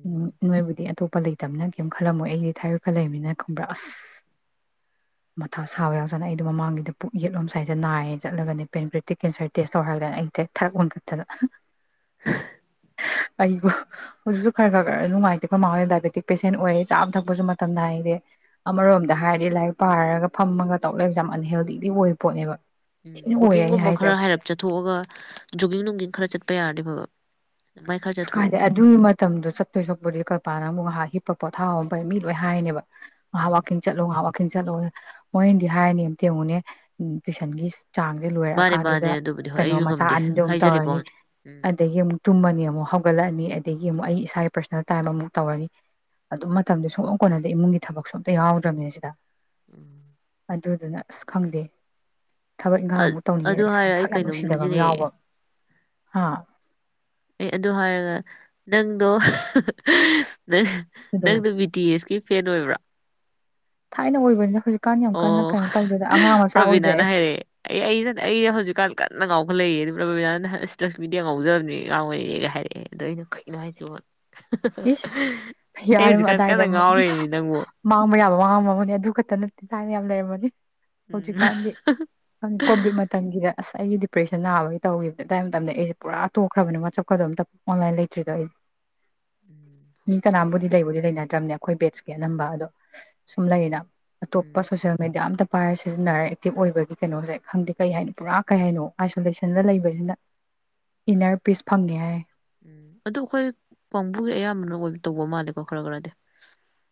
Speaker 1: ꯎꯝ ꯅꯣꯏꯕꯨꯗꯤ ꯑꯗꯣ [inaudible] ꯂꯩꯇꯝꯅꯤꯅ ꯀꯔꯤꯝ ꯈꯜꯂꯝꯃꯣꯏ ꯑꯩꯗꯤ ꯊꯥꯏꯔꯣꯏꯗꯀ ꯂꯩꯕꯅꯤꯅ ꯈꯪꯕ꯭ꯔꯥ ꯑꯁ ꯃꯊꯥ ꯁꯥꯕ ꯌꯥꯎꯖꯥꯅ ꯑꯩꯗꯣ ꯃꯃꯥꯡꯒꯤꯗ ꯄꯨꯛ ꯌꯦꯠꯂꯣꯝ ꯁꯥꯏꯠ ꯗ ꯅꯥꯏꯌꯦ ꯆꯠꯂꯒꯅꯤ ꯄꯦꯟꯀ꯭ꯔꯦꯇꯤꯛ ꯀꯦꯟꯁꯔ ꯇꯦꯁ ꯇꯧꯔꯂꯅ ꯑꯩꯗꯤ ꯊꯔꯛ ꯍꯨꯟꯈꯠꯇꯅ
Speaker 2: [inaudible]
Speaker 1: ꯑꯩꯕꯨ ꯍꯧꯖꯤꯛꯁꯨ ꯈꯔ ꯈꯔ ꯈꯔ ꯅꯨꯡꯉꯥꯏꯇꯦꯀꯣ ꯃꯥ ꯗꯥꯏꯕꯦꯇꯤꯛ ꯄꯦꯁꯦꯟ ꯑꯣꯏꯌꯦ ꯆꯥꯕ ꯊꯛꯄꯁꯨ ꯃꯇꯝ ꯅꯥꯏꯗꯦ ꯑꯃꯔꯣꯝꯗ ꯍꯥꯏꯔꯗꯤ ꯂꯥꯏꯔꯤꯛ ꯄꯥꯔꯒ ꯐꯝꯃꯒ ꯇꯧꯔꯛ ꯂꯩꯕꯁꯦ ꯌꯥꯝ ꯑꯟꯍꯦꯜꯗꯤꯗꯤ ꯑꯣꯏꯕ ꯄꯣꯠꯅꯦꯕ
Speaker 2: ꯎꯝ
Speaker 1: ꯊꯤꯅ ꯑꯣꯏꯌꯦ ꯑꯩꯅ
Speaker 2: ꯋꯀꯤꯡꯒꯨꯝꯕ
Speaker 1: ꯍꯥꯏꯁꯦ
Speaker 2: ꯈꯔ ꯍꯥꯏꯔꯞ ꯆꯠꯊꯣꯛꯑꯒ ꯖꯣꯒꯤꯡ ꯅꯨꯡꯒꯤꯡ ꯈꯔ ꯆꯠꯄ ꯌꯥꯔꯗꯤ ꯐꯕ ꯑꯗꯨꯃꯥꯏ ꯈꯔ
Speaker 1: ꯏꯁ
Speaker 2: ꯆꯠꯊꯣꯛꯎ
Speaker 1: ꯀꯥꯏꯗ ꯑꯗꯨ ꯃꯇꯝꯗꯣ ꯆꯠꯄꯣꯏ ꯁꯠꯄꯗꯤ ꯀꯔꯄꯥꯅ ꯑꯃꯨꯛ ꯍꯤꯞ ꯄꯣꯊꯥꯍꯧꯐꯩ ꯃꯤ ꯂꯣꯏ ꯍꯥꯏꯅꯦꯕ
Speaker 2: ꯎꯝ
Speaker 1: ꯋꯥꯀꯤꯡ ꯆꯠꯂꯣ ꯉꯍꯥꯛ ꯆꯠꯂꯣ ꯃꯣꯏꯅꯗꯤ ꯍꯥꯏꯅꯤꯇꯥ ꯌꯦꯪꯉꯨꯅꯦ ꯇꯨꯏꯁꯟꯒꯤ ꯆꯥꯡꯁꯦ
Speaker 2: ꯃꯥꯅꯦ ꯃꯥꯅꯦ
Speaker 1: ꯂꯣꯏꯔꯛꯑꯀꯥꯟꯗꯨꯗ
Speaker 2: ꯑꯗꯨꯕꯨꯗꯤ ꯍꯣꯏ
Speaker 1: ꯀꯩꯅꯣ
Speaker 2: ꯑꯩꯁꯨ
Speaker 1: ꯃꯆꯥ
Speaker 2: ꯉꯝꯗꯦ
Speaker 1: ꯑꯅꯤꯗꯣ ꯑꯃꯨꯛ
Speaker 2: ꯍꯥꯏꯖꯔꯤꯕ
Speaker 1: ꯇꯧꯔꯅꯤ
Speaker 2: ꯋꯥꯅꯦ ꯎꯝ
Speaker 1: ꯑꯗꯒꯤ ꯑꯃꯨꯛ ꯇꯨꯝꯃꯅꯤ ꯑꯃꯨꯛ ꯍꯧꯒꯠꯂꯛꯑꯅꯤ ꯑꯗꯒꯤ ꯑꯃꯨꯛ ꯑꯩ ꯏꯁꯥꯒꯤ ꯄꯔꯁꯣꯅꯦꯜ ꯇꯥꯏꯝ ꯑꯃꯨꯛ ꯇꯧꯔꯅꯤ ꯑꯗꯨꯝ ꯃꯇꯝꯗꯨ ꯁꯨꯡꯀꯣꯟ ꯀꯣꯟꯅꯗꯤ ꯏꯃꯨꯡꯒꯤ ꯊꯕꯛꯁꯨ ꯑꯝꯇ ꯌꯥꯎꯗ꯭ꯔꯝꯅꯤ ꯁꯤꯗ
Speaker 2: ꯎꯝ
Speaker 1: ꯑꯗꯨꯗꯨꯅ ꯑꯁ ꯈꯪꯗꯦ ꯊꯕꯛ ꯏꯪꯈꯥꯡ ꯑꯃꯨꯛ
Speaker 2: ꯑꯗꯨ
Speaker 1: ꯇꯧꯅꯤꯡꯉꯦꯗ
Speaker 2: ꯍꯥꯏꯔ ꯑꯩ
Speaker 1: ꯁꯛ ꯌꯥꯝ
Speaker 2: ꯀꯩꯅꯣꯝ
Speaker 1: ꯅꯨꯡꯁꯤꯗꯕ ꯑꯃ
Speaker 2: ꯅꯤꯡꯁꯤꯡꯉꯛꯑꯦ
Speaker 1: ꯌꯥꯎꯕ꯫ ꯍꯥꯥ
Speaker 2: ꯑꯦ ꯑꯗꯨ ꯍꯥꯏꯔꯒ ꯅꯪꯗꯣ ꯅꯪ
Speaker 1: ꯀꯩꯗꯧ
Speaker 2: ꯅꯪꯅ ꯕꯤ ꯇꯤ ꯑꯦꯁ ꯀꯤ ꯐꯦꯟ ꯑꯣꯏꯕ꯭ꯔꯣ?
Speaker 1: ꯊꯥꯏꯅ ꯑꯣꯏꯕꯅꯤꯗ ꯍꯣꯖ
Speaker 2: ꯑꯣ ꯄ꯭ꯔꯕꯤꯅꯥꯅ
Speaker 1: ꯑꯩ
Speaker 2: ꯍꯥꯏꯔꯛꯑꯦ ꯑꯩ ꯑꯩꯅꯦ ꯍꯧꯖꯤꯛꯀꯥꯟ ꯀꯟꯅ ꯉꯥꯎꯈꯠꯂꯛꯏ꯫ ꯔꯕꯤꯅꯥꯅ ꯂꯁꯃꯦꯗꯤ ꯌꯥꯝ ꯉꯥꯎꯖꯕꯅꯦ ꯉꯥꯎꯋꯦꯒ ꯍꯥꯏꯔꯛꯑꯦ ꯑꯗꯨꯗ ꯑꯩꯅ ꯀꯩꯅꯣ ꯍꯥꯏꯁꯤꯕꯣ꯫
Speaker 1: ꯏꯁ
Speaker 2: ꯑꯩ
Speaker 1: [unintelligible]
Speaker 2: ꯍꯧꯖꯤꯛꯀꯥꯟ
Speaker 1: ꯑꯗꯥꯏꯗ
Speaker 2: ꯀꯟꯅ
Speaker 1: ꯃꯨꯛ
Speaker 2: ꯉꯥꯎꯔꯤꯅꯦ
Speaker 1: ꯍꯍ
Speaker 2: ꯅꯪꯕꯨ
Speaker 1: ꯃꯥꯡꯕ ꯌꯥꯕ ꯃꯥꯡꯉꯝꯃꯕꯅꯦ ꯑꯃ ꯑꯗꯨ ꯈꯛꯇ [unintelligible] ꯌꯥꯝ ꯂꯩꯔꯝꯕꯒꯤ
Speaker 2: ꯎꯝ
Speaker 1: ꯍꯧꯖꯤꯀꯥꯥꯟꯗꯤ ꯑꯝ ꯀꯣꯕꯤꯠ ꯃꯠꯇꯝꯒꯤꯗ ꯑꯁ ꯑꯩꯒꯤ ꯗꯤꯄ꯭ꯔꯦꯁꯟ ꯅꯥꯕꯒꯤ ꯇꯧꯈꯤꯕꯅꯦ ꯑꯗ꯭ꯋꯥꯏ ꯃꯇꯝꯗ ꯑꯩꯁꯦ ꯄꯨꯔꯥ ꯇꯣꯛꯈ꯭ꯔꯕꯅꯦ ꯋꯥꯠꯆꯞꯀꯗꯣ ꯑꯝꯇ ꯑꯣꯟꯂꯥꯏꯟ ꯂꯩꯇ꯭ꯔꯤꯗꯣ ꯑꯩ꯫
Speaker 2: ꯎꯝ ꯍꯣꯏ
Speaker 1: ꯃꯤ
Speaker 2: ꯆꯨꯝ
Speaker 1: ꯀꯅꯥꯝꯕꯨꯗꯤ ꯂꯩꯕꯨꯗ ꯂꯩ꯫ [unintelligible] ꯅꯠꯇ꯭ꯔꯕꯅꯦ ꯑꯩꯈꯣꯏ ꯕꯦꯠꯁꯀꯤ ꯑꯅꯝꯕ ꯑꯗꯣ ꯁꯨꯝ ꯂꯩꯅ꯫ ꯑꯇꯣꯞꯄ
Speaker 2: ꯎꯝ
Speaker 1: ꯁꯣꯁ꯭ꯌꯦꯜ ꯃꯦꯗꯤꯌꯥ ꯑꯝꯇ꯫ [unintelligible] ꯁꯤꯖꯤꯟꯅꯔ ꯑꯦꯛꯇꯤꯞ ꯑꯣꯏꯕꯒꯤ ꯀꯩꯅꯣꯁꯦ ꯈꯪꯗꯦ ꯀꯩ ꯍꯥꯏꯅꯤ ꯄꯨꯔꯥ ꯀꯩ ꯍꯥꯏꯅꯣ ꯑꯥꯏꯁꯣꯂꯦꯁꯟꯗ ꯂꯩꯕꯁꯤꯅ ꯏꯟꯅꯔ ꯄꯤꯁ ꯐꯪꯉꯦ ꯍꯥꯏ꯫
Speaker 2: ꯎꯝ ꯑꯗꯨ ꯑꯩꯈꯣꯏ ꯀꯥꯡꯕꯨꯒꯤ ꯑꯌꯥꯝꯕꯅ ꯑꯣꯏꯕ ꯇꯧꯕ ꯃꯥꯜꯂꯦꯀꯣ ꯈꯔ ꯈꯔꯗꯤ꯫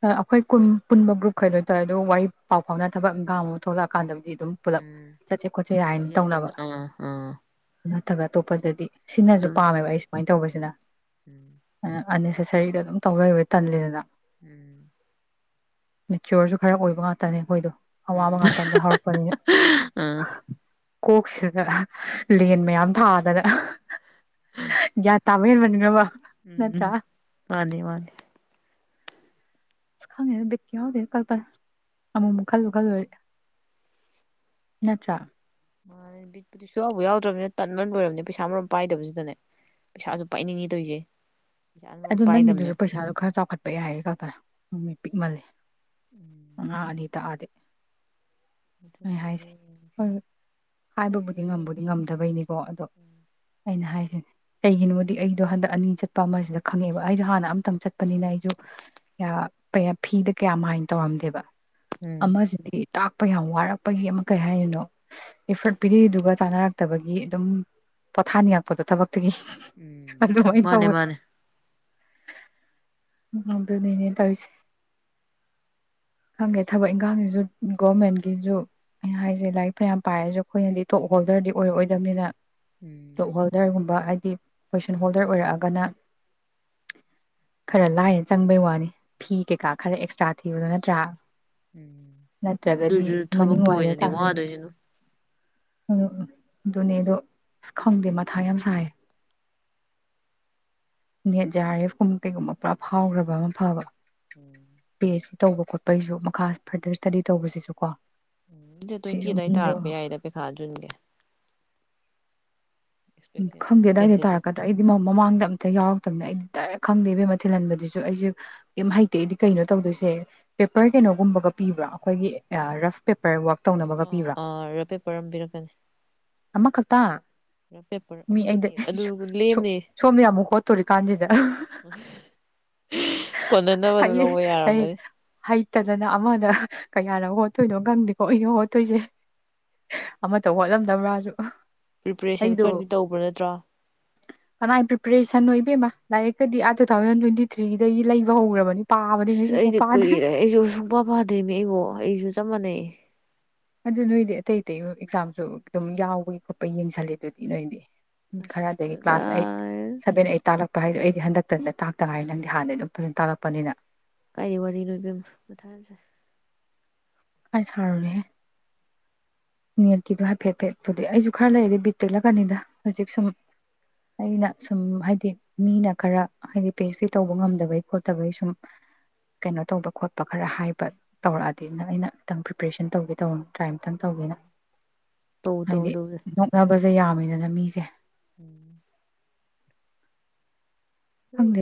Speaker 1: ꯑꯩꯈꯣꯏ ꯀꯨꯟ ꯄꯨꯟꯕ ꯒ꯭ꯔꯨꯞꯈꯩꯗ ꯑꯣꯏ ꯇꯧꯔꯦ ꯑꯗꯨ ꯋꯥꯔꯤ ꯄꯥꯎ ꯐꯥꯎꯅ ꯊꯕꯛ ꯏꯟꯈꯥꯡ ꯑꯃ ꯊꯣꯛꯂꯛꯑꯀꯥꯟꯗꯕꯨꯗꯤ ꯑꯗꯨꯝ ꯄꯨꯂꯞ
Speaker 2: ꯎꯝ
Speaker 1: ꯆꯠꯁꯦ ꯈꯣꯠꯁꯦ
Speaker 2: ꯑꯗꯨꯝ
Speaker 1: ꯍꯥꯏꯅ ꯇꯧꯅꯕ꯫
Speaker 2: ꯌꯥꯅꯕ ꯑꯥ ꯑꯥ
Speaker 1: ꯊꯕꯛ ꯑꯇꯣꯞꯄꯗꯗꯤ ꯁꯤꯅꯁꯨ
Speaker 2: ꯑꯗꯨꯝ
Speaker 1: ꯄꯥꯝꯃꯦꯕ ꯑꯩ ꯁꯨꯃꯥꯏꯅ
Speaker 2: ꯎꯝ
Speaker 1: ꯇꯧꯕꯁꯤꯅ꯫
Speaker 2: ꯎꯝ
Speaker 1: ꯑꯟꯅꯦꯁꯦꯁꯔꯤꯗ ꯑꯗꯨꯝ ꯇꯧꯂꯩꯕꯩ ꯇꯟꯂꯤꯗꯅ
Speaker 2: ꯎꯝ
Speaker 1: ꯃꯦꯆ꯭ꯌꯨꯔ ꯈꯔ ꯑꯣꯏꯕ ꯉꯥꯛꯇꯅꯦ ꯑꯩꯈꯣꯏꯗꯣ ꯑꯋꯥꯕ
Speaker 2: ꯎꯝ
Speaker 1: ꯉꯥꯛꯇꯅꯤꯗ ꯍꯧꯔꯛꯄꯅꯤꯅ
Speaker 2: ꯑꯥ
Speaker 1: ꯀꯣꯛꯁꯤꯗ ꯂꯦꯟ ꯃꯌꯥꯝ ꯊꯥꯗꯅ ꯌꯥ [unintelligible]
Speaker 2: ꯎꯝ ꯃꯥꯅꯦ ꯃꯥꯅꯦ
Speaker 1: ꯑ ꯈꯪꯗꯦꯗ ꯕꯤꯠꯀ ꯌꯥꯎꯗꯦ ꯀꯜꯄꯅꯥ ꯑꯃꯨꯛꯃꯨꯛ ꯈꯜꯂꯨ ꯈꯜꯂꯨ ꯅꯠꯇ꯭ꯔꯥ
Speaker 2: ꯕꯤꯠꯄꯨꯗꯤ ꯁꯨꯡꯌꯥꯎꯕꯨ ꯌꯥꯎꯗ꯭ꯔꯕꯅꯤꯅ ꯇꯟꯕꯅ ꯂꯣꯏꯔꯕꯅꯤꯅꯦ ꯄꯩꯁꯥ ꯃꯔꯣꯝ ꯄꯥꯏꯗꯕꯁꯤꯗꯅꯦ ꯄꯩꯁꯥꯁꯨ ꯄꯥꯏꯅꯤꯡꯉꯤ ꯇꯧꯔꯤꯁꯦ꯫ ꯄꯩꯁꯥ ꯃꯔꯣꯝ
Speaker 1: ꯑꯗꯣ
Speaker 2: ꯄꯥꯏꯗꯕꯅ
Speaker 1: ꯅꯪꯒꯤꯗꯨꯁꯨ ꯄꯩꯁꯥꯗꯨꯣ ꯈꯔ ꯆꯥꯎꯈꯠꯄ ꯌꯥꯏꯌꯦ ꯀꯜꯄꯅꯥ ꯎꯝ ꯄꯤꯛꯃꯜꯂꯦ
Speaker 2: ꯎꯝ
Speaker 1: ꯑꯉꯥꯡ ꯑꯅꯤ ꯇꯥꯛ ꯑꯗꯤ
Speaker 2: ꯃꯊꯪ
Speaker 1: ꯑꯩ ꯍꯥꯏꯁꯦ
Speaker 2: ꯆꯍꯤꯗ ꯌꯦꯡꯉꯒꯦ
Speaker 1: ꯍꯣꯏ
Speaker 2: ꯍꯟꯗꯛ
Speaker 1: ꯍꯥꯏꯕꯕꯨꯗꯤ
Speaker 2: ꯆꯍꯤꯗꯤ ꯑꯗꯨꯝ
Speaker 1: ꯉꯝꯕꯕꯨꯗꯤ ꯉꯝꯗꯕꯩꯅꯤꯀꯣ ꯑꯗꯣ ꯑꯩꯅ ꯍꯥꯏꯁꯤꯅꯦ ꯀꯩꯒꯤꯅꯣꯗꯤ ꯑꯩꯗꯣ ꯍꯟꯗꯛ ꯑꯅꯤ ꯆꯠꯄ ꯑꯃꯁꯤꯗ ꯈꯪꯡꯉꯦꯕ ꯑꯩꯗꯣ ꯍꯥꯟꯅ ꯑꯝꯇꯪ ꯆꯠꯄꯅꯤꯅ ꯑꯩꯁꯨ ꯐꯤꯗ ꯀꯌꯥ ꯃꯥꯏꯟ ꯇꯧꯔꯝꯗꯦꯕ
Speaker 2: ꯎꯝ
Speaker 1: ꯑꯃ ꯖꯤꯗꯤ ꯇꯥꯛꯄ ꯌꯥꯝ ꯋꯥꯔꯛꯄꯒꯤ ꯑꯃ ꯀꯩ ꯍꯥꯏꯗꯣꯏꯅꯣ ꯏꯐ꯭ꯔꯠ ꯄꯤꯔꯛꯏꯗꯨꯒ ꯆꯥꯅꯔꯛꯇꯕꯒꯤ ꯑꯗꯨꯝ ꯄꯣꯊꯥꯅꯤꯡꯉꯛꯄꯗꯣ ꯊꯕꯛ [unintelligible] ꯑꯗꯨꯃꯥꯏꯅ
Speaker 2: ꯃꯥꯅꯦ
Speaker 1: ꯇꯧꯋꯦ
Speaker 2: ꯃꯥꯅꯦ
Speaker 1: ꯎꯝ ꯑꯗꯨꯅꯤꯅꯦ ꯇꯧꯔꯤꯁꯦ ꯈꯪꯗꯦ ꯊꯕꯛ ꯏꯟꯈꯥꯡꯁꯤꯁꯨ ꯒꯣꯚꯦꯔꯃꯦꯟꯠꯒꯤꯁꯨ ꯑꯩꯅꯥ ꯍꯥꯏꯁꯦ ꯂꯥꯏꯔꯤꯛ ꯐꯅꯥꯌꯝ ꯄꯥꯔꯁꯨ ꯑꯩꯈꯣꯏꯅ ꯇꯣꯞ ꯍꯣꯜꯗꯔꯗꯤ ꯑꯣꯏꯔꯛ ꯑꯣꯏꯗꯕꯅꯤꯅ꯫
Speaker 2: ꯎꯝ
Speaker 1: ꯇꯣꯞꯍꯣꯜꯗꯔ [unintelligible] [unintelligible] ꯍꯥꯏꯗꯤ ꯄꯣꯖꯤꯁꯟ ꯍꯣꯜꯗꯔ ꯑꯣꯏꯔꯛꯑꯒꯅ꯫ ꯈꯔ ꯂꯥꯏꯅ ꯆꯪꯕꯩ ꯋꯥꯅꯤ ꯐꯤ ꯀꯩꯀꯥ ꯈꯔ ꯑꯦꯛꯁꯇ꯭ꯔꯥ ꯊꯤꯕꯗꯣ ꯅꯠꯇ꯭ꯔꯥ꯫
Speaker 2: ꯎꯝ
Speaker 1: ꯅꯠꯇ꯭ꯔꯒꯗꯤ
Speaker 2: ꯑꯗꯨꯁꯨ
Speaker 1: ꯃꯅꯤꯡ
Speaker 2: ꯊꯕꯛꯇꯣ
Speaker 1: ꯋꯥꯏꯗ
Speaker 2: ꯑꯣꯗꯗꯤ
Speaker 1: ꯇꯥꯔꯅꯤ
Speaker 2: ꯋꯥꯗꯣꯏꯅꯤꯅ
Speaker 1: ꯑꯗꯣ ꯎꯝ ꯑꯗꯨꯅꯦꯗꯣ ꯑꯁ ꯈꯪꯗꯦ ꯃꯊꯥ ꯌꯥꯝ ꯁꯥꯏꯌꯦ ꯅꯦꯠ ꯖꯦ ꯑꯥꯔ ꯑꯦꯐ ꯀꯨꯝꯕ ꯀꯩꯒꯨꯝꯕ ꯄꯨꯔꯥ ꯐꯥꯎꯈꯒꯔꯕ ꯑꯃ ꯐꯕ
Speaker 2: ꯎꯝ
Speaker 1: ꯄꯤ ꯇꯧꯕ ꯈꯣꯠꯄꯒꯤꯁꯨ ꯃꯈꯥ ꯐꯔꯗꯔ ꯁꯇꯗꯤ ꯇꯧꯕꯁꯤꯁꯨ ꯀꯣ
Speaker 2: ꯎꯝꯗꯣ ꯇ꯭ꯋꯦꯟꯇꯤ
Speaker 1: ꯁꯤꯁꯨ
Speaker 2: ꯑꯗꯨꯋꯥ
Speaker 1: ꯃꯤꯗꯣ
Speaker 2: ꯇꯥꯔꯛꯄ ꯌꯥꯏꯗ ꯄꯩꯈꯥ ꯖꯨꯟꯒꯤ
Speaker 1: ꯎꯝ
Speaker 2: ꯑꯦꯛꯁꯄꯦꯛꯇꯦꯠ
Speaker 1: ꯈꯪꯗꯦꯗꯥꯏꯗ
Speaker 2: ꯇꯦꯟꯇꯦꯇꯤꯞ
Speaker 1: ꯇꯥꯔꯛꯀꯗ꯭ꯔꯥ ꯑꯩꯗꯤ ꯃꯃꯥꯡꯗ ꯑꯝꯇ ꯌꯥꯎꯔꯛꯇꯕꯅꯤꯅ ꯑꯩꯗꯤ ꯗꯥꯏꯔꯦꯛ ꯈꯪꯗꯦ ꯏꯕꯦꯝꯃꯥ ꯊꯤꯜꯍꯟꯕꯗꯨꯁꯨ ꯑꯩꯁꯦ ꯀꯩꯝ ꯍꯩꯇꯦ ꯑꯩꯗꯤ ꯀꯩꯅꯣ ꯇꯧꯗꯣꯏꯁꯦ ꯄꯦꯄꯔ ꯀꯩꯅꯣꯒꯨꯝꯕꯒ ꯄꯤꯕ꯭ꯔꯣ ꯑꯩꯈꯣꯏꯒꯤ ꯔꯐ ꯄꯦꯄꯔ ꯋꯥꯛ ꯇꯧꯅꯕꯒ
Speaker 2: ꯑ
Speaker 1: ꯄꯤꯕ꯭ꯔꯥ
Speaker 2: ꯑꯥ ꯔꯕ ꯄꯦꯄꯔ ꯑꯃ ꯄꯤꯔꯛꯀꯥꯅꯤ
Speaker 1: ꯑꯃꯈꯛꯇ ꯃꯤ ꯑꯩꯗ ꯁꯣꯝꯗ ꯌꯥꯝ ꯍꯣꯠꯇꯣꯔꯤ ꯀꯥꯟꯁꯤꯗ
Speaker 2: ꯀꯣꯟꯅꯅꯕꯗꯨꯣ ꯂꯧꯕ ꯌꯥꯔꯝꯒꯅꯤ
Speaker 1: ꯅꯠꯇꯗꯅ ꯑꯃꯗ ꯀꯌꯥꯅ ꯍꯣꯠꯇꯣꯏꯅꯣ ꯈꯪꯗꯦꯀꯣ ꯑꯩꯅꯣ ꯍꯣꯠꯇꯣꯏꯁꯦ ꯑꯃꯇ ꯍꯣꯠꯂꯝꯗꯕ꯭ꯔꯥꯁꯨ
Speaker 2: ꯄ꯭ꯔꯤꯄꯦꯔꯦꯁꯟ
Speaker 1: ꯑꯩꯗꯣ
Speaker 2: ꯈꯔꯗꯤ ꯇꯧꯕ꯭ꯔꯥ ꯅꯠꯇ꯭ꯔꯣ
Speaker 1: ꯍꯅꯥ ꯄꯤꯄꯔꯦꯁꯟ ꯏꯕꯦꯝꯕ ꯂꯥꯏꯔꯤꯛ ꯀꯗꯤ ꯇꯨꯊꯥꯎꯖꯟ ꯇ꯭ꯋꯦꯟꯤꯊ꯭ꯔꯤ ꯑꯗꯒꯤ ꯂꯩꯕ ꯍꯧꯈ꯭ꯔꯕꯅꯤ ꯄꯥꯕꯗꯤ
Speaker 2: ꯑꯁ
Speaker 1: ꯉꯁꯤꯐꯥꯎ
Speaker 2: ꯑꯩꯗꯤ
Speaker 1: ꯄꯥꯗ꯭ꯔꯤ
Speaker 2: ꯀꯨꯏꯔꯦ ꯑꯩꯁꯨ ꯁꯨꯡꯄꯥ ꯄꯥꯗꯦ ꯑꯩꯕꯣ ꯑꯩꯁꯨ ꯆꯞ ꯃꯥꯟꯅꯩ
Speaker 1: ꯑꯗꯨ ꯅꯣꯏꯗꯤ ꯑꯇꯩ ꯑꯇꯩ ꯑꯦꯛꯖꯥꯝꯁꯨ ꯑꯗꯨꯝ ꯌꯥꯎꯕꯒꯤ ꯈꯣꯠꯄ ꯌꯦꯡꯁꯜꯂꯦ ꯑꯗꯨꯗꯤ ꯅꯣꯏꯗꯤ ꯎꯝ
Speaker 2: ꯑꯁ
Speaker 1: ꯈꯔꯗꯒꯤ ꯀ꯭ꯂꯥꯁ ꯑꯩꯠ
Speaker 2: ꯀꯗꯥꯏ
Speaker 1: ꯁꯚꯦꯟ ꯑꯩꯠ ꯇꯥꯂꯛꯄ ꯚꯥꯏ ꯍꯥꯏꯗꯣ ꯑꯩꯗꯤ ꯍꯟꯗꯛꯇꯅ ꯇꯥꯛꯇꯅ ꯍꯥꯏ ꯅꯪꯗꯤ ꯍꯥꯟꯗꯤ ꯑꯗꯨꯝ ꯐꯖꯅ ꯇꯥꯛꯂꯛꯄꯅꯤꯅ
Speaker 2: ꯀꯥꯏꯗꯤ ꯋꯥꯔꯤꯅꯣ ꯏꯕꯦꯃ
Speaker 1: ꯀꯥꯏ ꯁꯔꯨꯅꯨꯍꯦ ꯅꯠꯀꯤꯗꯣ ꯍꯥꯏꯐꯦꯠ ꯐꯦꯠꯄꯨꯗꯤ ꯑꯩꯁꯨ ꯈꯔ ꯂꯩꯔꯗꯤ ꯕꯤꯠ ꯇꯦꯛꯂꯛꯀꯅꯤꯗ ꯍꯧꯖꯤꯛ ꯁꯨꯝ ꯑꯩꯅ ꯁꯨꯝ ꯍꯥꯏꯗꯤ ꯃꯤꯅ ꯈꯔ ꯍꯥꯏꯗꯤ ꯄꯤ ꯑꯩꯁ ꯗꯤ ꯇꯧꯕ ꯉꯝꯗꯕꯩ ꯈꯣꯠꯇꯕꯩ ꯁꯨꯝ ꯀꯩꯅꯣ ꯇꯧꯕ ꯈꯣꯠꯄ ꯈꯔ ꯍꯥꯏꯕ ꯇꯧꯔꯛꯑꯗꯤꯅ ꯑꯩꯅ ꯈꯤꯇꯪ ꯄ꯭ꯔꯤꯄꯦꯔꯦꯁꯟ ꯇꯧꯒꯦ ꯇꯧꯕꯅꯤ ꯇ꯭ꯔꯥꯏ ꯑꯝꯇꯪ ꯇꯧꯒꯦꯅ
Speaker 2: ꯇꯧ
Speaker 1: ꯍꯥꯏꯗꯤ
Speaker 2: ꯇꯧꯗꯧꯁꯦ
Speaker 1: ꯅꯣꯛꯅꯕ ꯐꯖ ꯌꯥꯝꯃꯤꯗꯅ ꯃꯤꯁꯦ
Speaker 2: ꯎꯝ
Speaker 1: ꯈꯪꯗꯦ
Speaker 2: [unintelligible]